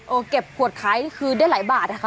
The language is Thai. เอาเก็บขวดคล้ายคือได้หลายบาทค่ะ